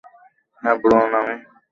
হ্যাঁ, ব্রায়ান আর আমি।